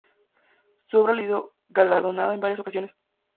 Su obra literaria ha sido galardonada en varias ocasiones.